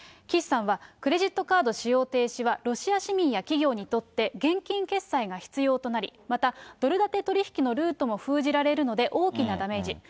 岸さんはクレジットカード使用停止は、ロシア市民や企業にとって、現金決済が必要となり、また、ドル建て取り引きのルートも封じられるので、大きなダメージ。